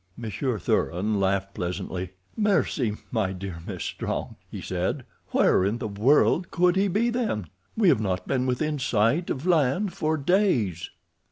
Monsieur Thuran laughed pleasantly. "Mercy, my dear Miss Strong," he said; "where in the world could he be then? We have not been within sight of land for days."